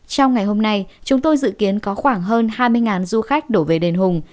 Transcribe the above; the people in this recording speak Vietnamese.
trong ngày hôm nay chúng tôi dự kiến có khoảng hơn hai mươi du khách đổ về đền hùng